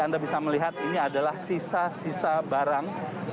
anda bisa melihat ini adalah sisa sisa barang